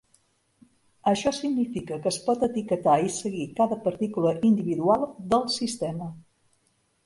Això significa que es pot etiquetar i seguir cada partícula individual del sistema.